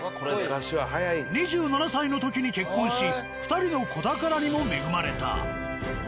２７歳の時に結婚し２人の子宝にも恵まれた。